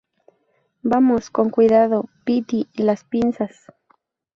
vamos, con cuidado. piti, las pinzas.